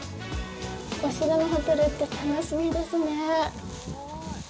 お城のホテルって楽しみですね。